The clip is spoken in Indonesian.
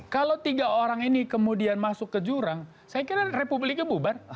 kalau tiga orang ini kemudian masuk ke jurang saya kira republiknya bubar